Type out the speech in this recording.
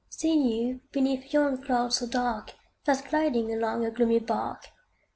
See you, beneath yon cloud so dark, Fast gliding along a gloomy bark?